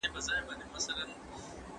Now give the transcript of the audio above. دغه ناول د مفرور په نوم یادیږي.